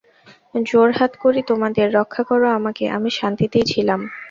জোড়হাত করি তোমাদের, রক্ষা করো আমাকে– আমি শান্তিতেই ছিলাম।